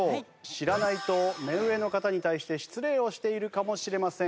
知らないと目上の方に対して失礼をしているかもしれません。